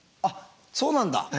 あっそうなんだ。